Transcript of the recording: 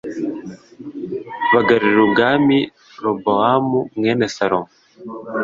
bagarurire ubwami robowamu mwene salomo